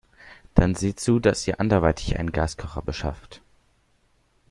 Dann seht zu, dass ihr anderweitig einen Gaskocher beschafft.